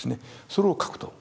それを描くと。